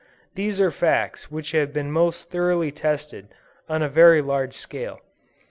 These are facts which have been most thoroughly tested on a very large scale.